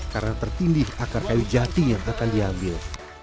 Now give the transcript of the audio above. karena tertindih akar kayu jati yang akan diambil